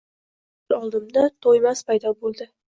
Birdan ko‘z oldimda Toymas paydo bo‘ldi